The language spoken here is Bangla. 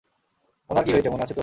ওনার কী হয়েছে মনে আছে তো?